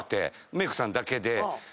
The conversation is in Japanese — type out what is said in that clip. メイクさんだけで。